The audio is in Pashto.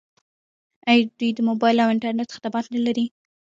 آیا دوی د موبایل او انټرنیټ خدمات نلري؟